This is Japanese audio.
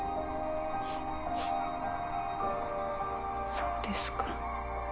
そうですか。